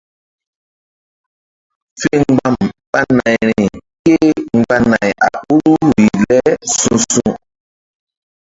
Fe mgba̧m ɓa nayri kémgba nay a ɓoruri le su̧su̧.